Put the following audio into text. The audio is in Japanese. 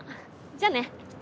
じゃあね。